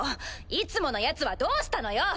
いつものやつはどうしたのよ？